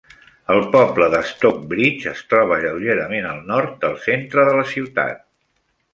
El poble de Stockbridge es troba lleugerament al nord del centre de la ciutat.